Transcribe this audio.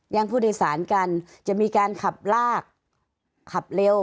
ยังพูดในสารกันจะมีการขับลากขับเร็ว